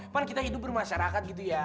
padahal kita hidup bermasyarakat gitu ya